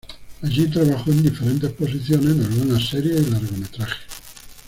Allí trabajó en diferentes posiciones en algunas series y largometrajes.